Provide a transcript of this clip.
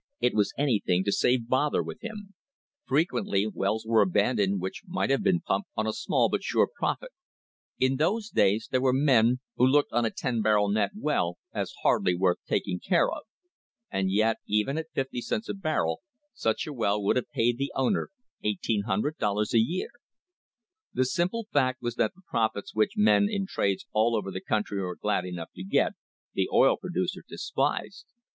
It was anything to save bother with him. Frequently wells were abandoned which might have been pumped on a small but sure profit In those days there were men who looked on a ten barrel (net) well as hardly worth taking care of. And yet even at fifty cents a barrel such a well would have paid the owner $1,800 a year. The simple fact was that the profits which men in trades all over the country were glad enough to get, the oil producer despised.